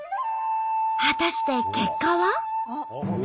果たして結果は？